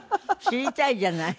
知りたいじゃない。